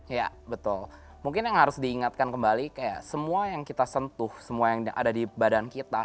iya betul mungkin yang harus diingatkan kembali kayak semua yang kita sentuh semua yang ada di badan kita